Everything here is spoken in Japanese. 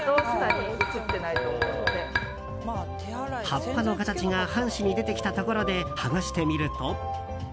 葉っぱの形が半紙に出てきたところで剥がしてみると。